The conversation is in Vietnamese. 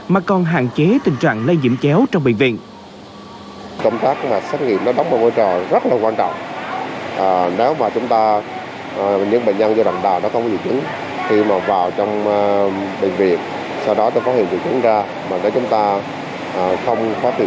mà còn hạn chế tình trạng lây nhiễm chéo trong bệnh viện